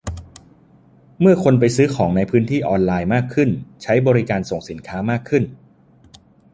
เมื่อคนไปซื้อของในพื้นที่ออนไลน์มากขึ้น ใช้บริการส่งสินค้ามากขึ้น